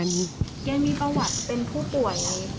ยังมีเกลียดประวัติเป็นผู้ป่วย